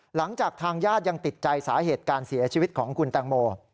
หลังจากทางญาติยังติดใจสาเหตุการเสียชีวิตของคุณแตงโม